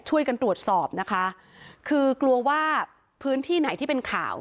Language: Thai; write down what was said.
ช่วยกันตรวจสอบนะคะคือกลัวว่าพื้นที่ไหนที่เป็นข่าว